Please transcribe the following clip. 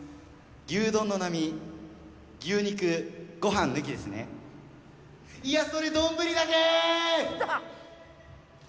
牛丼の並牛肉ご飯抜きですねいやそれ丼だけ！